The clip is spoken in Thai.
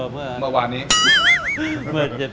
เมื่อวานนี้